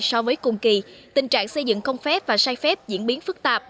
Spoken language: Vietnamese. so với cùng kỳ tình trạng xây dựng không phép và sai phép diễn biến phức tạp